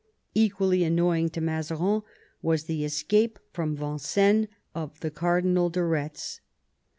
Equally annoying to Mazarin was the escape from Vincennes of the Cardinal de Retz.